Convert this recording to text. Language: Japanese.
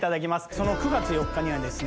その９月４日にはですね